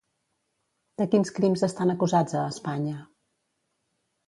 De quins crims estan acusats a Espanya?